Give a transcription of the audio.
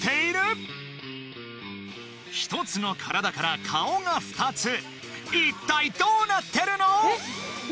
１つの体から顔が２つ一体どうなってるの！？